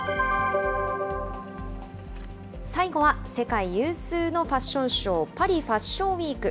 最後は世界有数のファッションショー、パリ・ファッションウィーク。